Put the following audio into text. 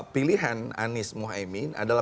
pilihan anies muhaymin adalah